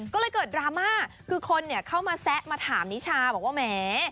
ก็เลยเกิดดราม่าคือคนเข้ามาแซะมาถามนิชาบอกว่าแหม